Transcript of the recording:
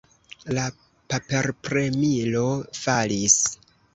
La paperpremilo falis.